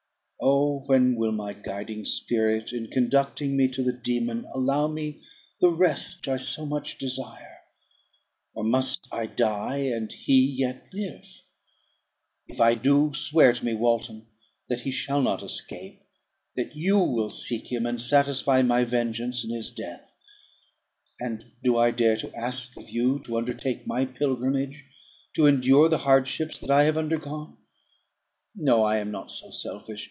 Oh! when will my guiding spirit, in conducting me to the dæmon, allow me the rest I so much desire; or must I die, and he yet live? If I do, swear to me, Walton, that he shall not escape; that you will seek him, and satisfy my vengeance in his death. And do I dare to ask of you to undertake my pilgrimage, to endure the hardships that I have undergone? No; I am not so selfish.